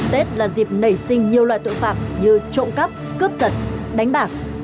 tết là dịp nảy sinh nhiều loại tội phạm như trộm cắp cướp giật đánh bạc